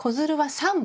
３本。